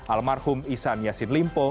almarhum isan yasin limpo